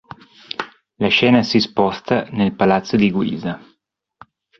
La scena si sposta nel palazzo di Guisa.